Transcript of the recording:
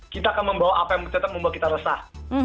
kita akan membawa apa yang tetap membuat kita resah